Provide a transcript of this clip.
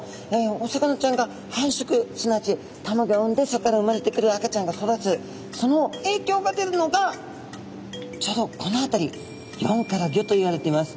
お魚ちゃんが繁殖すなわち卵を産んでそこから生まれてくる赤ちゃんが育つそのえいきょうが出るのがちょうどこの辺り４から５といわれてます。